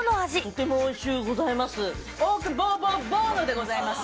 とてもおいしゅうございます。